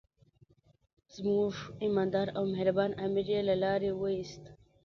زموږ ایماندار او مهربان امیر یې له لارې وایست.